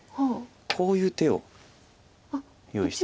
こういう手を用意している。